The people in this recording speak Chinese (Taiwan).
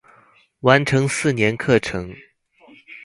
完成四年課程